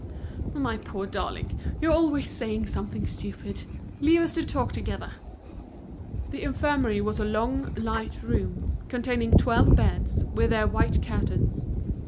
"My poor darling, you're always saying something stupid. Leave us to talk together." The infirmary was a long, light room, containing twelve beds, with their white curtains.